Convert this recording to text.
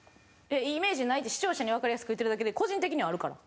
イメージないって視聴者にわかりやすく言ってるだけで個人的にはあるから。